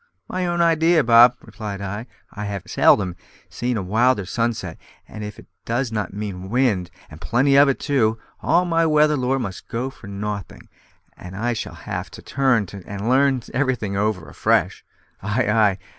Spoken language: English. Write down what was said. "My own idea, Bob," replied I; "I have seldom seen a wilder sunset, and if it does not mean wind, and plenty of it too, all my weather lore must go for nothing, and I shall have to turn to and learn everything over afresh." "Ay, ay!